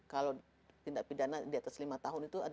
kalau tindak pidana di atas lima tahun itu